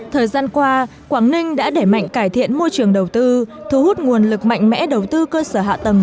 thời gian qua quảng ninh đã để mạnh cải thiện môi trường đầu tư thu hút nguồn lực mạnh mẽ đầu tư cơ sở hạ tầng